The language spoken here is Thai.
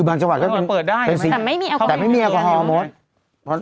บางจังหวัดเปิดได้แต่ไม่มีแอลกอฮอล์มด